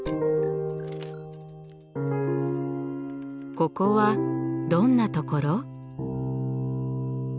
ここはどんなところ？